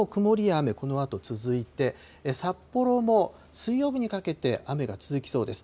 沖縄も曇りや雨、このあと続いて、札幌も水曜日にかけて雨が続きそうです。